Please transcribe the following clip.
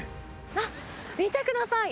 あっ、見てください。